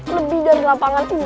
lebih dari lapangan ini